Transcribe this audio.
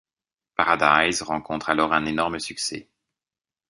Paradize rencontre alors un énorme succès.